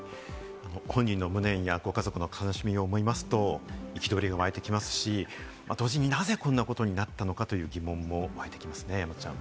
本人の無念やご家族の悲しみを思いますと憤りが湧いてきますし、同時になぜこんなことになったのかという疑問もわいてきますね、山ちゃん。